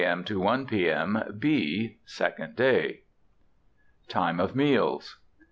M. to 1 P. M. B (second day.) TIME OF MEALS.